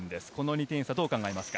２点差をどう考えますか？